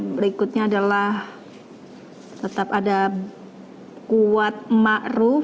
berikutnya adalah tetap ada kuat ma'ruf bg riki dan barda richard elijah